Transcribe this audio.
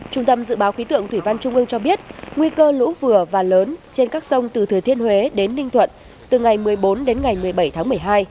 trung tâm dự báo khí tượng thủy văn trung ương cho biết nguy cơ lũ vừa và lớn trên các sông từ thừa thiên huế đến ninh thuận từ ngày một mươi bốn đến ngày một mươi bảy tháng một mươi hai